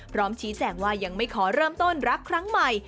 พร้อมชี้แจงว่ายังไม่ขอเริ่มต้นรักครั้งใหม่